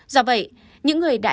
do vậy những người đã